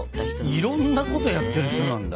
いろんなことやってる人なんだ。